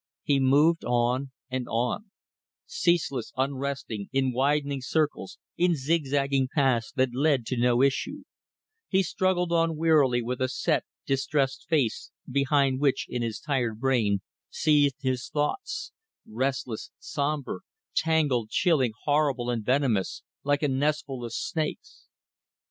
He moved on, and on; ceaseless, unresting, in widening circles, in zigzagging paths that led to no issue; he struggled on wearily with a set, distressed face behind which, in his tired brain, seethed his thoughts: restless, sombre, tangled, chilling, horrible and venomous, like a nestful of snakes.